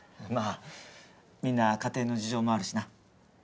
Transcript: まぁみんな家庭の事情もあるしな。